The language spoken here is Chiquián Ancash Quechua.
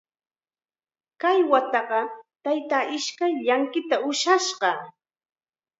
Kay wataqa taytaa ishkay llanqitam ushashqa.